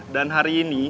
dan hari ini